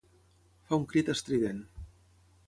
Fa un crit estrident.